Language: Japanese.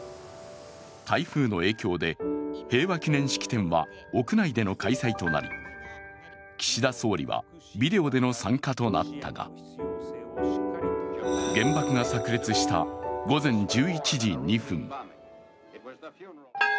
台風の影響で平和祈念式典は屋内での開催となり、岸田総理はビデオでの参加となったが原爆が炸裂した午前１１時２分。